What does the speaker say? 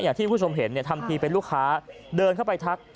อย่างที่คุณผู้ชมเห็นทำทีเป็นลูกค้าเดินเข้าไปทัก